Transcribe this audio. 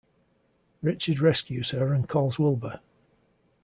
Richard rescues her and calls Wilbur.